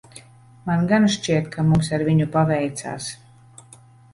Man gan šķiet, ka mums ar viņu paveicās.